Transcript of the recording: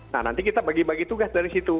nah nanti kita bagi bagi tugas dari situ